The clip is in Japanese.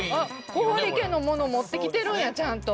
小堀家のもの持ってきてるんやちゃんと。